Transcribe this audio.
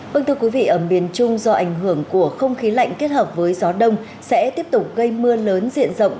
vâng thưa quý vị ở miền trung do ảnh hưởng của không khí lạnh kết hợp với gió đông sẽ tiếp tục gây mưa lớn diện rộng